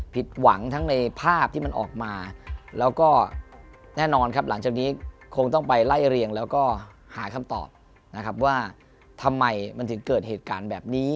ผิดหวังทั้งในภาพที่มันออกมาแล้วก็แน่นอนครับหลังจากนี้คงต้องไปไล่เรียงแล้วก็หาคำตอบนะครับว่าทำไมมันถึงเกิดเหตุการณ์แบบนี้